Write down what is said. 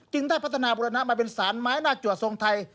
ได้พัฒนาบุรณะมาเป็นสารไม้หน้าจัวทรงไทย